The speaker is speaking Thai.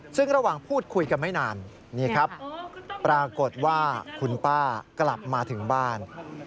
ซึ่งระหว่างพูดคุยกันไม่นานนี่ครับปรากฏว่าคุณป้ากลับมาถึงบ้าน